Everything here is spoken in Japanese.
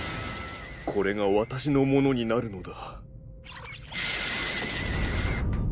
これがわたしのものになるのだ。